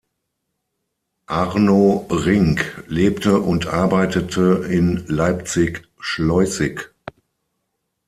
Arno Rink lebte und arbeitete in Leipzig-Schleußig.